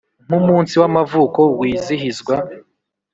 Nk umunsi w amavuko wizihizwa